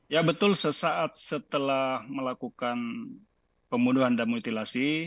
ya betul sesaat setelah melakukan pembunuhan dan mutilasi